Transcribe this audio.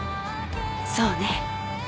そうね。